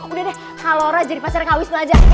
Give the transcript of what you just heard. udah deh kak laura jadi pacarnya kak wisnu aja